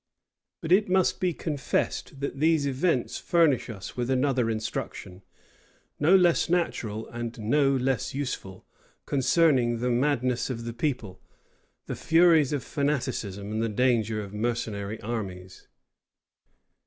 But it must be confessed, that these events furnish us with another instruction, no less natural and no less useful, concerning the madness of the people, the furies of fanaticism, and the danger of mercenary armies.